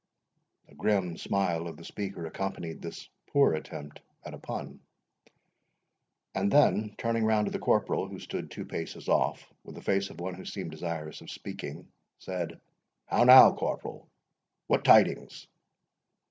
A grim smile of the speaker accompanied this poor attempt at a pun; and then turning round to the corporal, who stood two paces off, with the face of one who seemed desirous of speaking, said, "How now, corporal, what tidings?"